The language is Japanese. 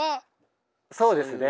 そうですね。